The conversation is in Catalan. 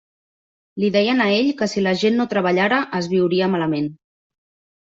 Li deien a ell que si la gent no treballara, es viuria malament.